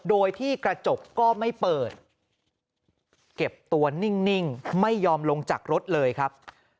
โดยที่กระจกก็ไม่เปิดเก็บตัวนิ่งไม่ยอมลงจากรถเลยครับ